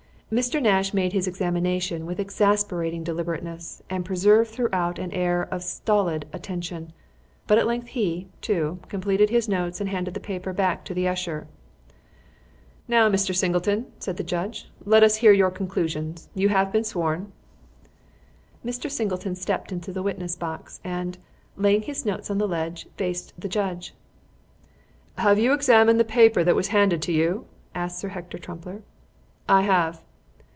Mr. Nash made his examination with exasperating deliberateness, and preserved throughout an air of stolid attention; but at length he, too, completed his notes and handed the paper back to the usher. "Now, Mr. Singleton," said the judge, "let us hear your conclusions. You have been sworn." Mr. Singleton stepped into the witness box, and, laying his notes on the ledge, faced the judge. "Have you examined the paper that was handed to you?" asked Sir Hector Trumpler. "I have."